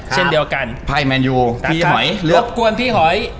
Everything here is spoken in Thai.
เช่นเดียวกันภัยแมนยูพี่หอยรบกวนพี่หอย